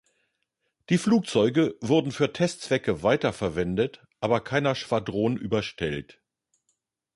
Die Flugzeuge wurden für Testzwecke weiterverwendet, aber keiner Schwadron überstellt.